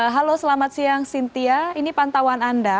halo selamat siang cynthia ini pantauan anda